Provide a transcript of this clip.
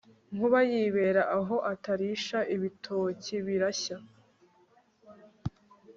Nkuba yibera aho Atarisha ibitoki birashya